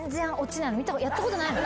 やったことないの？